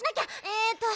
えっと。